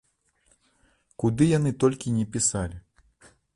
Куды яны толькі ні пісалі.